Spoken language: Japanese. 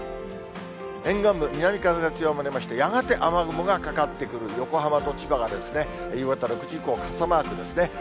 沿岸部、南風が強まりまして、やがて雨雲がかかってくる、横浜と千葉が、夕方６時以降、傘マークですね。